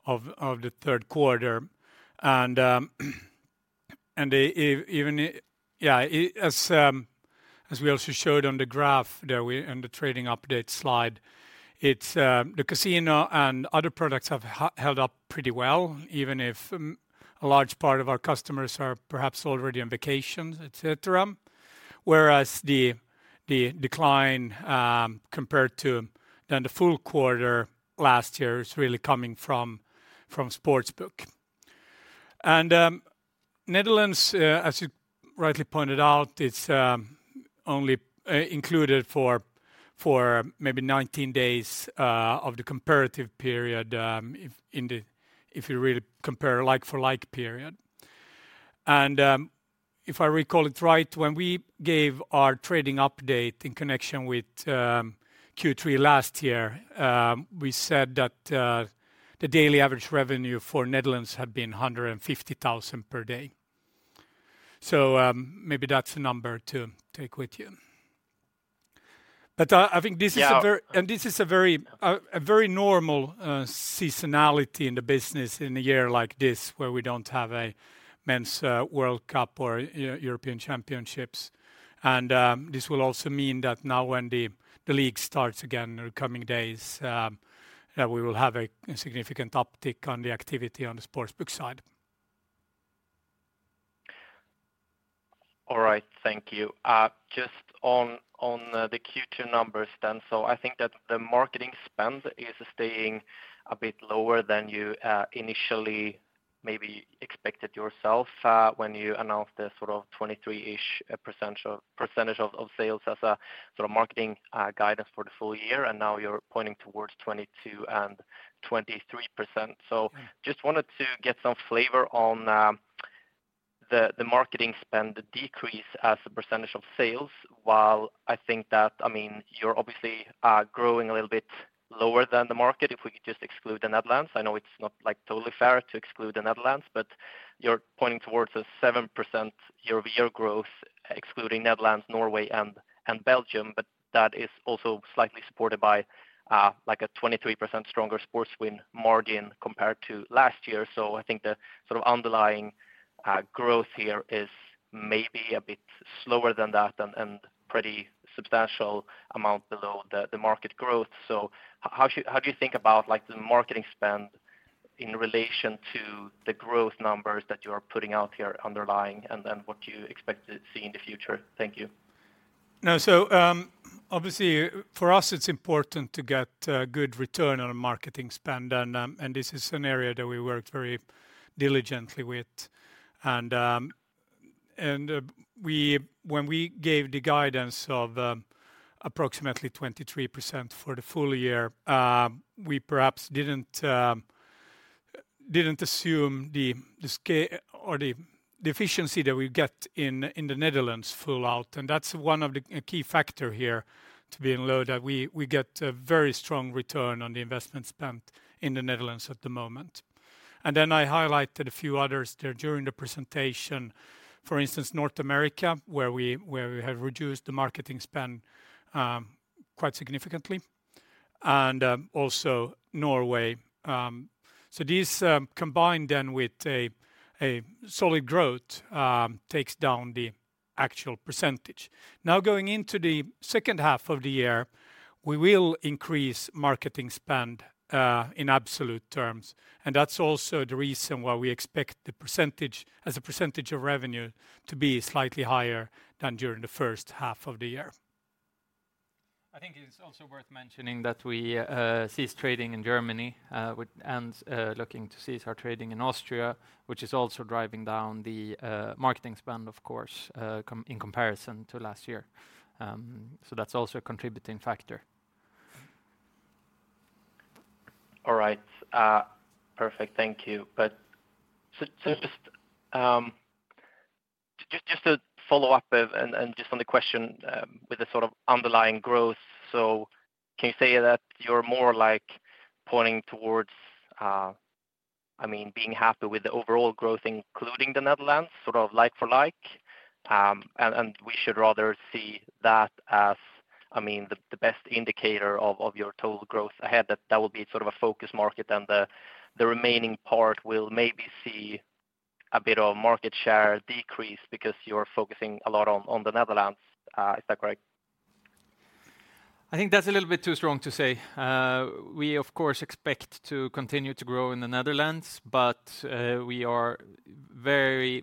the third quarter. Even as we also showed on the graph there, we, in the trading update slide, it's the casino and other products have held up pretty well, even if a large part of our customers are perhaps already on vacation, et cetera. Whereas the decline compared to than the full quarter last year is really coming from sportsbook. Netherlands, as you rightly pointed out, it's only included for maybe 19 days of the comparative period, if you really compare like-for-like period. If I recall it right, when we gave our trading update in connection with Q3 last year, we said that the daily average revenue for Netherlands had been 150,000 per day. Maybe that's a number to take with you. I think this is a very- Yeah a very normal seasonality in the business in a year like this, where we don't have a men's World Cup or European Championships. This will also mean that now when the league starts again in the coming days, that we will have a significant uptick on the activity on the sportsbook side. All right, thank you. Just on the Q2 numbers then. I think that the marketing spend is staying a bit lower than you initially maybe expected yourself when you announced the sort of 23-ish% of percentage of sales as a sort of marketing guidance for the full year. Now you're pointing towards 22%-23%. Mm. Just wanted to get some flavor on the marketing spend decrease as a percentage of sales. While I think that, I mean, you're obviously growing a little bit lower than the market, if we could just exclude the Netherlands. I know it's not, like, totally fair to exclude the Netherlands, but you're pointing towards a 7% year-over-year growth, excluding Netherlands, Norway, and Belgium. That is also slightly supported by, like a 23% stronger sports win margin compared to last year. I think the sort of underlying growth here is maybe a bit slower than that and pretty substantial amount below the market growth. How do you think about, like, the marketing spend in relation to the growth numbers that you are putting out here underlying, and then what do you expect to see in the future? Thank you. No. Obviously, for us, it's important to get good return on our marketing spend. This is an area that we worked very diligently with. When we gave the guidance of approximately 23% for the full year, we perhaps didn't assume the scale or the efficiency that we get in the Netherlands full out. That's one of the key factor here to being low, that we get a very strong return on the investment spent in the Netherlands at the moment. I highlighted a few others there during the presentation. For instance, North America, where we have reduced the marketing spend quite significantly, and also Norway. These combined then with a solid growth takes down the actual percentage. Going into the second half of the year, we will increase marketing spend in absolute terms, and that's also the reason why we expect as percentage of revenue to be slightly higher than during the first half of the year. I think it's also worth mentioning that we ceased trading in Germany, with and looking to cease our trading in Austria, which is also driving down the marketing spend, of course, in comparison to last year. That's also a contributing factor. All right. Perfect. Thank you. Just to follow up, and just on the question, with the sort of underlying growth, so can you say that you're more, like, pointing towards... I mean, being happy with the overall growth, including the Netherlands, sort of like for like, and we should rather see that as, I mean, the best indicator of your total growth ahead, that that will be sort of a focus market, and the remaining part will maybe see a bit of market share decrease because you're focusing a lot on the Netherlands. Is that correct? I think that's a little bit too strong to say. We, of course, expect to continue to grow in the Netherlands, but, we are very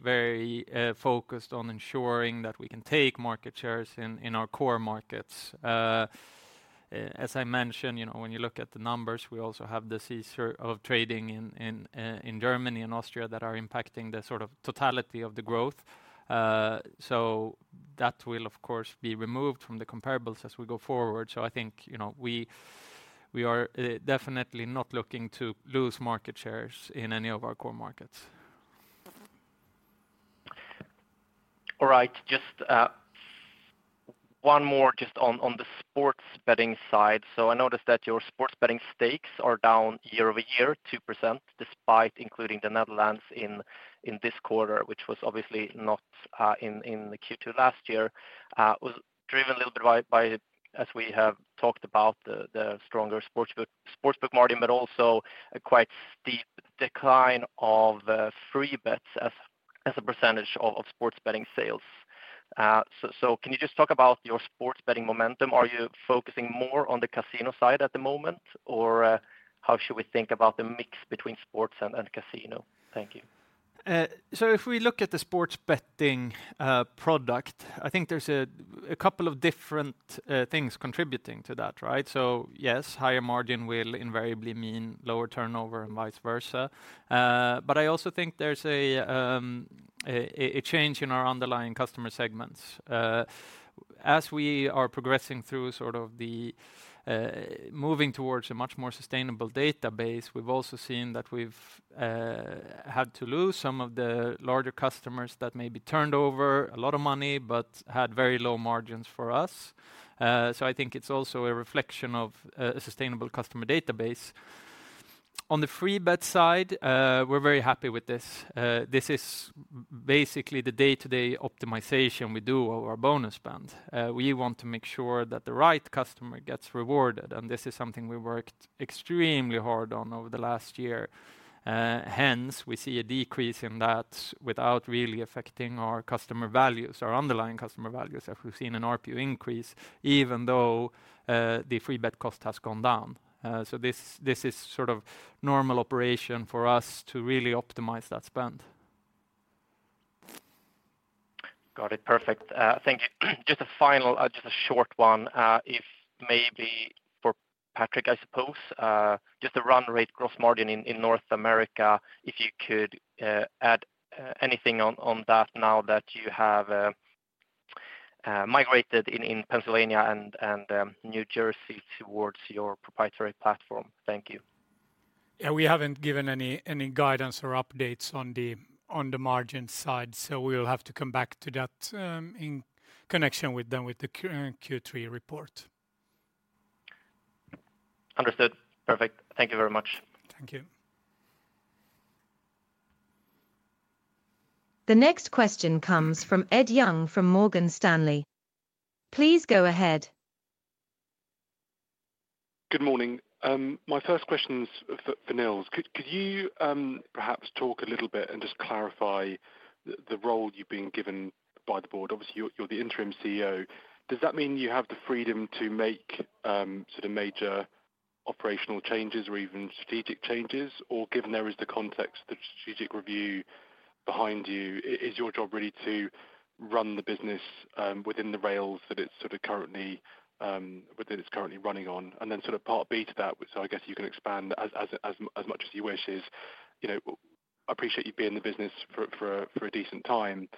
focused on ensuring that we can take market shares in our core markets. As I mentioned, you know, when you look at the numbers, we also have the cease of trading in Germany and Austria that are impacting the sort of totality of the growth. That will, of course, be removed from the comparables as we go forward. I think, you know, we are definitely not looking to lose market shares in any of our core markets. All right. Just one more just on the sports betting side. I noticed that your sports betting stakes are down year-over-year 2%, despite including the Netherlands in this quarter, which was obviously not in the Q2 last year. It was driven a little bit by, as we have talked about, the stronger sportsbook margin, but also a quite steep decline of free bets as a percentage of sports betting sales. Can you just talk about your sports betting momentum? Are you focusing more on the casino side at the moment, or how should we think about the mix between sports and casino? Thank you. If we look at the sports betting product, I think there's a couple of different things contributing to that, right? Yes, higher margin will invariably mean lower turnover and vice versa. I also think there's a change in our underlying customer segments. As we are progressing through sort of the moving towards a much more sustainable database, we've also seen that we've had to lose some of the larger customers that may be turned over a lot of money, but had very low margins for us. I think it's also a reflection of a sustainable customer database. On the free bet side, we're very happy with this. This is basically the day-to-day optimization we do over our bonus spend. We want to make sure that the right customer gets rewarded, and this is something we worked extremely hard on over the last year. Hence, we see a decrease in that without really affecting our customer values, our underlying customer values, as we've seen an RPU increase, even though the free bet cost has gone down. This is sort of normal operation for us to really optimize that spend. Got it. Perfect. Thank you. Just a final, just a short one, if maybe for Patrick, I suppose. Just the run rate gross margin in North America, if you could add anything on that now that you have migrated in Pennsylvania and New Jersey towards your proprietary platform? Thank you. Yeah, we haven't given any guidance or updates on the margin side. We'll have to come back to that, in connection with the Q3 report. Understood. Perfect. Thank you very much. Thank you. The next question comes from Ed Young from Morgan Stanley. Please go ahead. Good morning. My first question is for Nils. Could you perhaps talk a little bit and just clarify the role you've been given by the board? Obviously, you're the Interim CEO. Does that mean you have the freedom to make sort of major operational changes or even strategic changes? Given there is the context, the strategic review behind you, is your job really to run the business within the rails that it's sort of currently running on? Sort of part B to that, so I guess you can expand as much as you wish, is, you know, I appreciate you've been in the business for a decent time,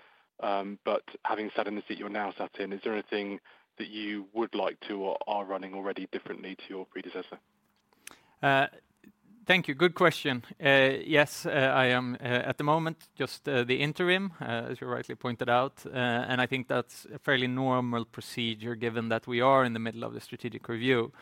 but having sat in the seat you're now sat in, is there anything that you would like to or are running already differently to your predecessor? Thank you. Good question. Yes, I am at the moment, just the interim, as you rightly pointed out. I think that's a fairly normal procedure, given that we are in the middle of the strategic review.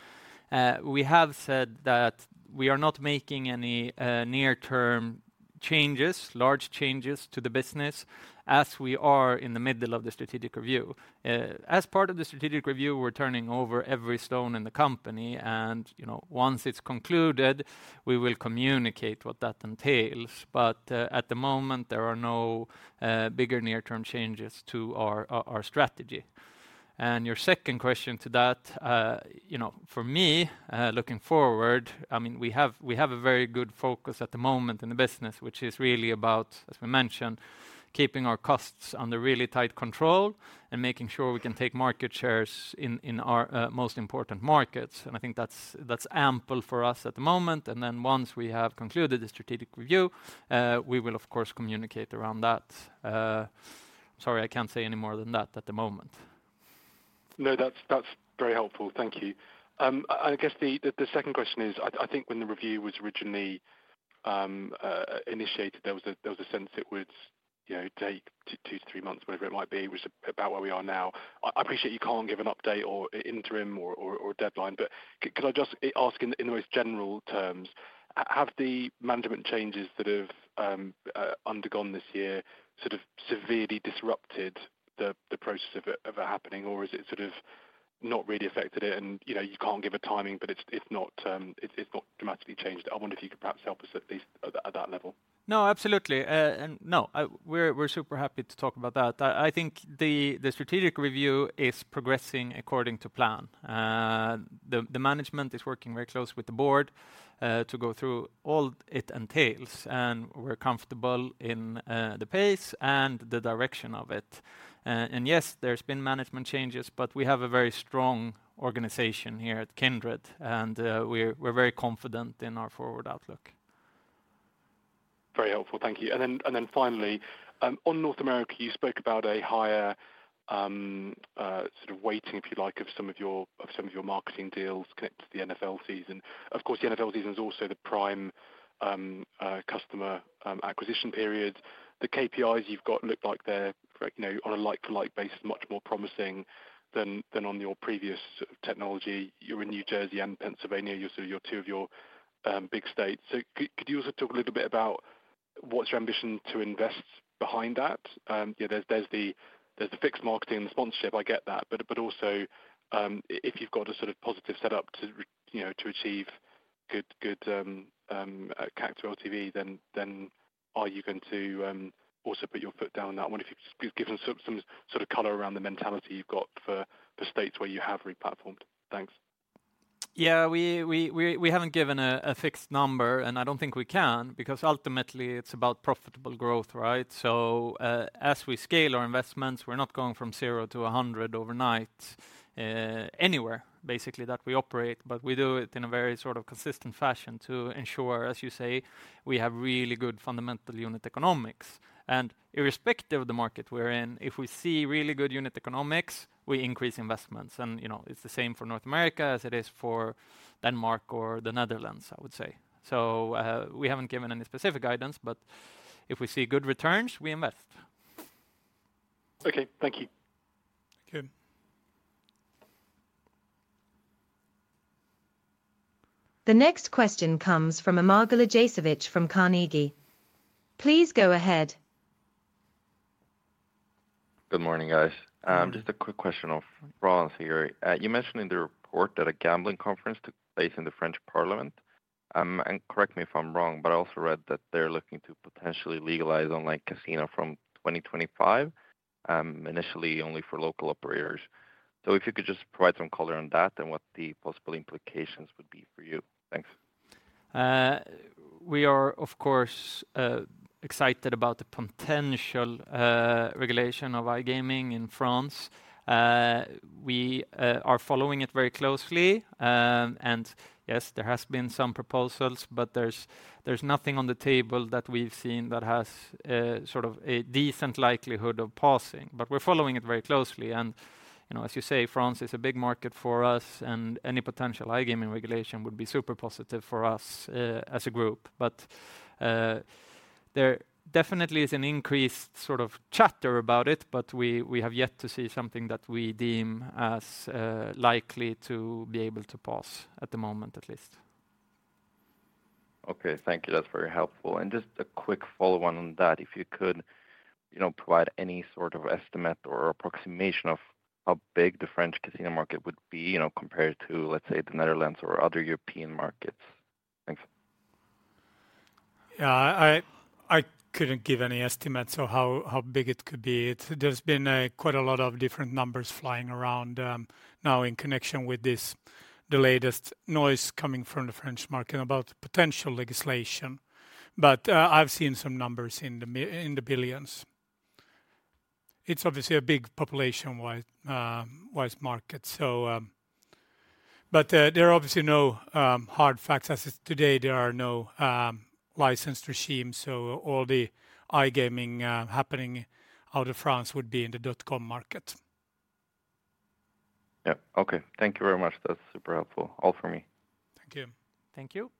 We have said that we are not making any near-term changes, large changes to the business as we are in the middle of the strategic review. As part of the strategic review, we're turning over every stone in the company, and, you know, once it's concluded, we will communicate what that entails. At the moment, there are no bigger near-term changes to our strategy. Your second question to that, you know, for me, looking forward, I mean, we have a very good focus at the moment in the business, which is really about, as we mentioned, keeping our costs under really tight control and making sure we can take market shares in our most important markets. I think that's ample for us at the moment, and then once we have concluded the strategic review, we will, of course, communicate around that. Sorry, I can't say any more than that at the moment. No, that's very helpful. Thank you. I guess the, the second question is, I think when the review was originally initiated, there was a, there was a sense it would, you know, take 2-3 months, whatever it might be, which is about where we are now. I appreciate you can't give an update or interim or, or a deadline, but could I just ask in the most general terms, have the management changes that have undergone this year sort of severely disrupted the process of it, of it happening? Is it sort of not really affected it and, you know, you can't give a timing, but it's not, it's not dramatically changed. I wonder if you could perhaps help us at least at that level. No, absolutely. No, we're super happy to talk about that. I think the strategic review is progressing according to plan. The management is working very close with the board to go through all it entails, and we're comfortable in the pace and the direction of it. Yes, there's been management changes, but we have a very strong organization here at Kindred, and we're very confident in our forward outlook. Very helpful. Thank you. Then finally, on North America, you spoke about a higher, sort of weighting, if you like, of some of your marketing deals connected to the NFL season. Of course, the NFL season is also the prime customer acquisition period. The KPIs you've got look like they're, you know, on a like-to-like basis, much more promising than on your previous technology. You're in New Jersey and Pennsylvania, your 2 of your big states. Could you also talk a little bit about what's your ambition to invest behind that? Yeah, there's the fixed marketing and the sponsorship, I get that. Also, if you've got a sort of positive setup to achieve good character LTV, then are you going to also put your foot down on that? I wonder if you could give us some sort of color around the mentality you've got for the states where you have re-platformed. Thanks. Yeah, we haven't given a fixed number, and I don't think we can, because ultimately, it's about profitable growth, right? As we scale our investments, we're not going from 0 to 100 overnight, anywhere, basically, that we operate, but we do it in a very sort of consistent fashion to ensure, as you say, we have really good fundamental unit economics. Irrespective of the market we're in, if we see really good unit economics, we increase investments. You know, it's the same for North America as it is for Denmark or the Netherlands, I would say. We haven't given any specific guidance, but if we see good returns, we invest. Okay. Thank you. Thank you. The next question comes from Amar Galijasevic from Carnegie. Please go ahead. Good morning, guys. Just a quick question of Raw Fury. You mentioned in the report that a gambling conference took place in the French Parliament, and correct me if I'm wrong, but I also read that they're looking to potentially legalize online casino from 2025, initially only for local operators. If you could just provide some color on that and what the possible implications would be for you. Thanks. We are of course excited about the potential regulation of iGaming in France. We are following it very closely. Yes, there has been some proposals, but there's nothing on the table that we've seen that has sort of a decent likelihood of passing. We're following it very closely. You know, as you say, France is a big market for us, and any potential iGaming regulation would be super positive for us as a group. There definitely is an increased sort of chatter about it, but we have yet to see something that we deem as likely to be able to pass, at the moment at least. Okay. Thank you. That's very helpful. Just a quick follow-on on that, if you could, you know, provide any sort of estimate or approximation of how big the French casino market would be, you know, compared to, let's say, the Netherlands or other European markets? Thanks. I couldn't give any estimate, so how big it could be. There's been quite a lot of different numbers flying around now in connection with this, the latest noise coming from the French market about potential legislation. I've seen some numbers in the billions. It's obviously a big population-wide market. There are obviously no hard facts. As of today, there are no licensed regimes, so all the iGaming happening out of France would be in the dot-com market. Okay. Thank you very much. That's super helpful. All for me. Thank you. Thank you.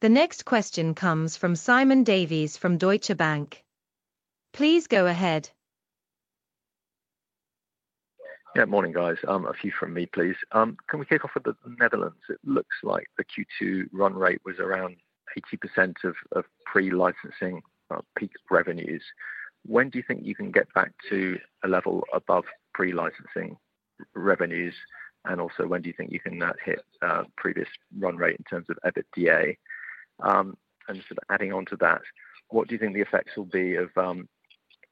The next question comes from Simon Davies from Deutsche Bank. Please go ahead. Yeah, morning, guys. A few from me, please. Can we kick off with the Netherlands? It looks like the Q2 run rate was around 80% of pre-licensing peak revenues. When do you think you can get back to a level above pre-licensing revenues? Also, when do you think you can hit previous run rate in terms of EBITDA? Sort of adding on to that, what do you think the effects will be of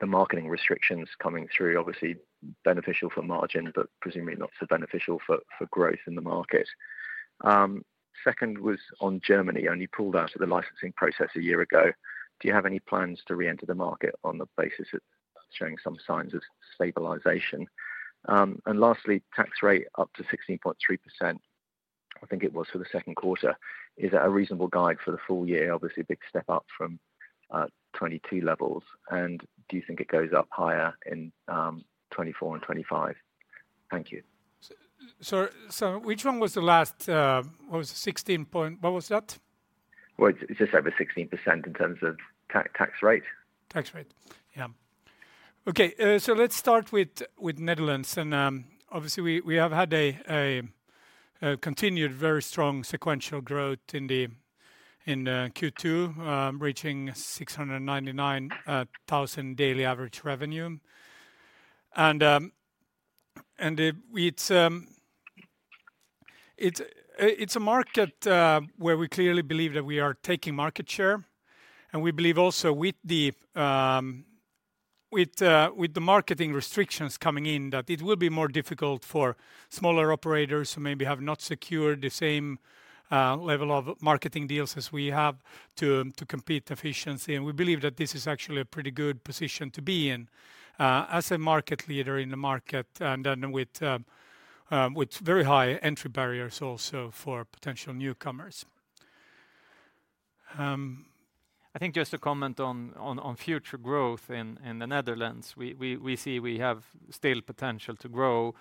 the marketing restrictions coming through? Obviously, beneficial for margin, but presumably not so beneficial for growth in the market. Second was on Germany, you pulled out of the licensing process a year ago. Do you have any plans to reenter the market on the basis of showing some signs of stabilization? Lastly, tax rate up to 16.3%, I think it was for the second quarter. Is that a reasonable guide for the full year? Obviously, a big step up from 2022 levels. Do you think it goes up higher in 2024 and 2025? Thank you. Which one was the last, what was it 16 point... What was that? Well, it's just over 16% in terms of tax rate. Tax rate. Yeah. Okay, let's start with Netherlands. Obviously, we have had a continued very strong sequential growth in Q2, reaching 699,000 daily average revenue. It's a market where we clearly believe that we are taking market share, and we believe also with the marketing restrictions coming in, that it will be more difficult for smaller operators who maybe have not secured the same level of marketing deals as we have, to compete efficiently. We believe that this is actually a pretty good position to be in as a market leader in the market, with very high entry barriers also for potential newcomers. I think just to comment on future growth in the Netherlands, we see we have still potential to grow,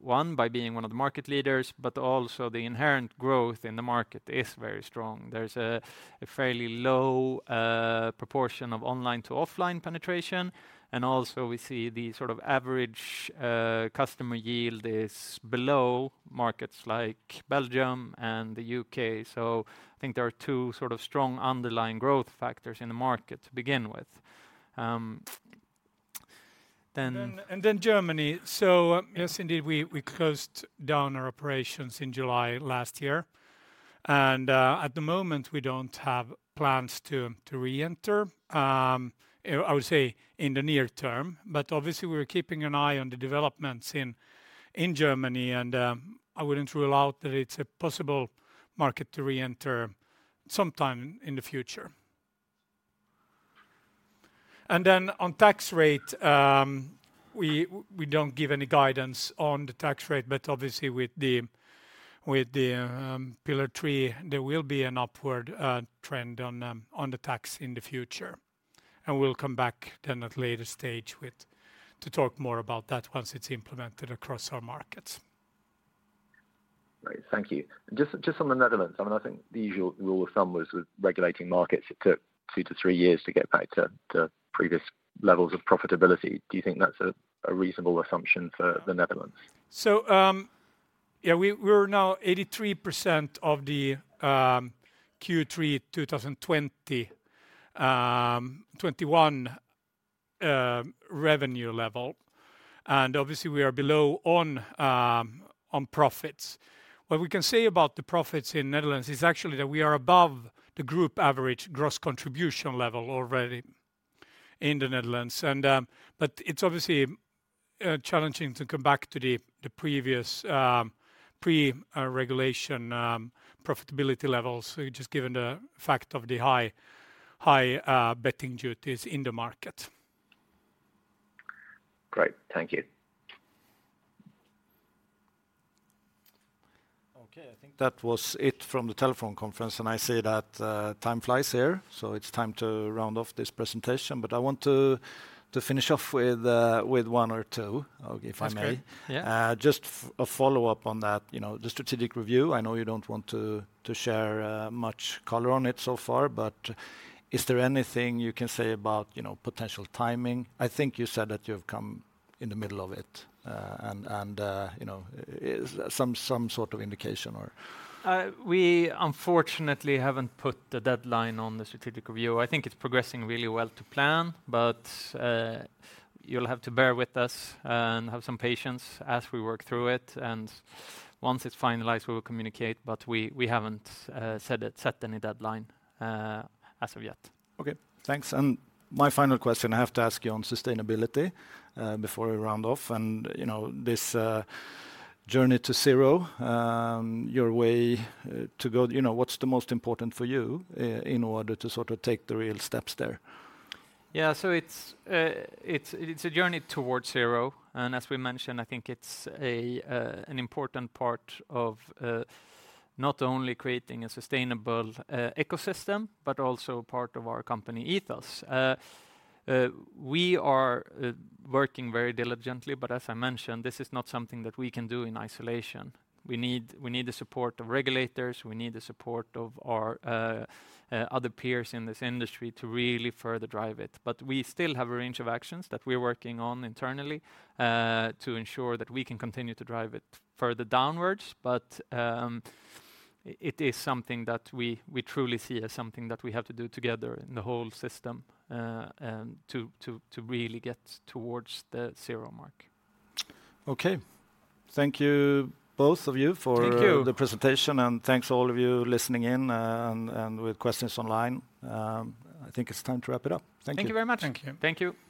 one, by being one of the market leaders, but also the inherent growth in the market is very strong. There's a fairly low proportion of online to offline penetration, and also we see the sort of average customer yield is below markets like Belgium and the U.K. I think there are two sort of strong underlying growth factors in the market to begin with. [crosstalk}Then Germany. Yes, indeed, we closed down our operations in July last year, and at the moment, we don't have plans to reenter, I would say, in the near term. Obviously, we're keeping an eye on the developments in Germany, and I wouldn't rule out that it's a possible market to reenter sometime in the future. On tax rate, we don't give any guidance on the tax rate, but obviously with the Pillar Two, there will be an upward trend on the tax in the future. We'll come back then at later stage to talk more about that once it's implemented across our markets. Great. Thank you. Just on the Netherlands, I mean, I think the usual rule of thumb was with regulating markets, it took 2-3 years to get back to previous levels of profitability. Do you think that's a reasonable assumption for the Netherlands? Yeah, we're now 83% of the Q3 2020, 2021 revenue level, and obviously we are below on profits. What we can say about the profits in Netherlands is actually that we are above the group average gross contribution level already in the Netherlands, and, but it's obviously challenging to come back to the previous pre-regulation profitability levels. Just given the fact of the high betting duties in the market. Great. Thank you. Okay, I think that was it from the telephone conference, and I see that time flies here, so it's time to round off this presentation. I want to finish off with with one or two if I may. That's great. Yeah. Just a follow-up on that, you know, the strategic review, I know you don't want to share much color on it so far. Is there anything you can say about, you know, potential timing? I think you said that you've come in the middle of it. You know, is some sort of indication or? We unfortunately haven't put the deadline on the strategic review. I think it's progressing really well to plan, but you'll have to bear with us and have some patience as we work through it, and once it's finalized, we will communicate. We haven't set any deadline as of yet. Okay. Thanks. My final question, I have to ask you on sustainability, before we round off. You know, this Journey towards Zero, your way, to go, you know, what's the most important for you, in order to sort of take the real steps there? Yeah. It's a Journey towards Zero, and as we mentioned, I think it's an important part of not only creating a sustainable ecosystem, but also part of our company ethos. We are working very diligently, as I mentioned, this is not something that we can do in isolation. We need the support of regulators. We need the support of our other peers in this industry to really further drive it. We still have a range of actions that we're working on internally to ensure that we can continue to drive it further downwards. It is something that we truly see as something that we have to do together in the whole system and to really get towards the zero mark. Okay. Thank you, both of you. Thank you. Thanks to all of you listening in, and with questions online. I think it's time to wrap it up. Thank you. Thank you very much. Thank you. Thank you!